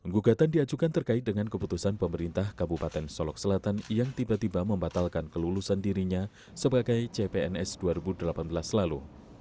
gugatan diajukan terkait dengan keputusan pemerintah kabupaten solok selatan yang tiba tiba membatalkan kelulusan dirinya sebagai cpns dua ribu delapan belas lalu